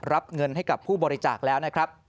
รับเงินให้กับผู้บริจาคแล้ว